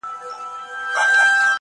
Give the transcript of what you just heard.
یا د دوی په څېر د زور، عقل څښتن وي -